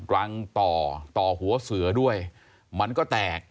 รังต่อต่อหัวเสือด้วยมันก็แตก